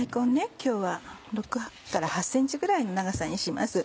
今日は６から８ｃｍくらいの長さにします。